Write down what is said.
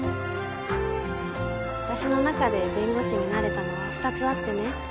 私の中で弁護士になれたのは２つあってね